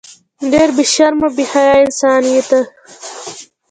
ډیر بی شرمه او بی حیا انسان یی ته